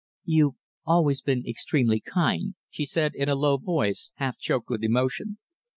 "You've always been extremely kind," she said in a low voice, half choked with emotion.